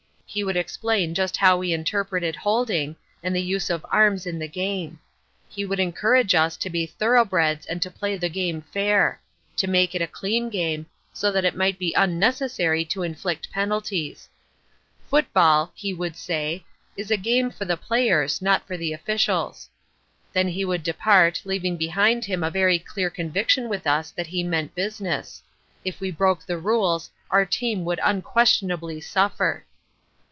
He would explain just how he interpreted holding and the use of arms in the game. He would urge us to be thoroughbreds and to play the game fair; to make it a clean game, so that it might be unnecessary to inflict penalties. "Football," he would say, "is a game for the players, not for the officials." Then he would depart, leaving behind him a very clear conviction with us that he meant business. If we broke the rules our team would unquestionably suffer.